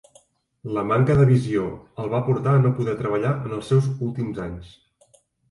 La manca de visió el va portar a no poder treballar en els seus últims anys.